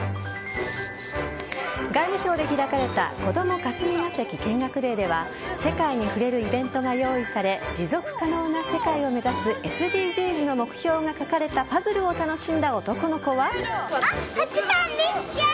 外務省で開かれたこども霞が関見学デーでは世界に触れるイベントが用意され持続可能な世界を目指すＳＤＧｓの目標が書かれたパズルを楽しんだ男の子は。